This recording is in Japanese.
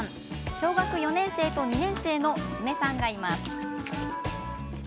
小学４年生と２年生の娘さんがいます。